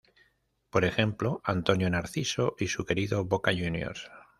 Por ejemplo Antonio Narciso y su querido Boca Juniors.